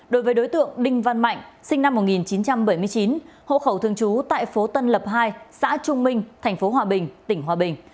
đối với đối tượng đinh văn mạnh sinh năm một nghìn chín trăm bảy mươi chín hộ khẩu thường trú tại phố tân lập hai xã trung minh thành phố hòa bình tỉnh hòa bình